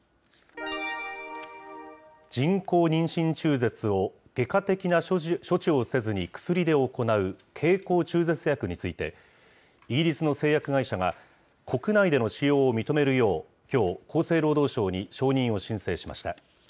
人工妊娠中絶を外科的な処置をせずに薬で行う経口中絶薬について、イギリスの製薬会社が、国内での使用を認めるよう、きょう、厚生労働省に承認を申請しました。